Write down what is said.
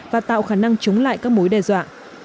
và tạo khả năng chống lại các mối đe dọa